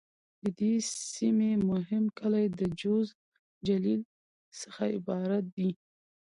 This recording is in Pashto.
د دې سیمې مهم کلي د: جوز، جلیل..څخه عبارت دي.